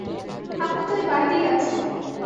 আপনি তো ঐ বাড়িতেই আছেন।